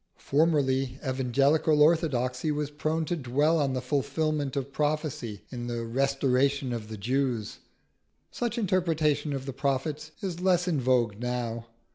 Formerly, evangelical orthodoxy was prone to dwell on the fulfilment of prophecy in the "restoration of the Jews." Such interpretation of the prophets is less in vogue now.